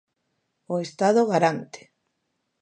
O Estado garante!